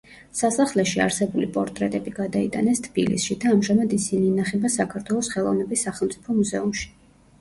სასახლეში არსებული პორტრეტები გადაიტანეს თბილისში და ამჟამად ისინი ინახება საქართველოს ხელოვნების სახელმწიფო მუზეუმში.